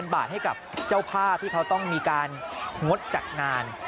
บาทให้กับเจ้าภาพที่เขาต้องมีการงดจัดงาน